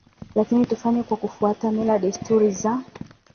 lakini tufanye kwa kufuata mila desturi za za